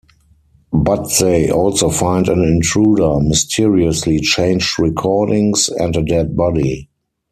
But they also find an intruder, mysteriously changed recordings, and a dead body.